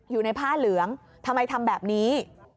อยู่ในผ้าเหลืองทำไมทำแบบนี้